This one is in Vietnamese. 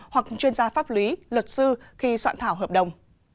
hoặc chuyên gia pháp lý luật sư khi soạn thảo hợp đồng